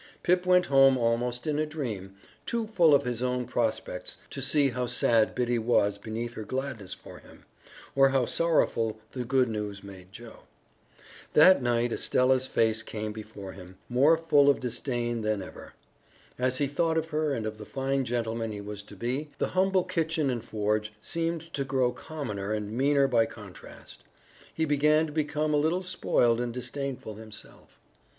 Pip went home almost in a dream, too full of his own prospects to see how sad Biddy was beneath her gladness for him, or how sorrowful the good news made Joe. That night Estella's face came before him, more full of disdain than ever. As he thought of her and of the fine gentleman he was to be, the humble kitchen and forge seemed to grow commoner and meaner by contrast. He began to become a little spoiled and disdainful himself.